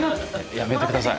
やめてください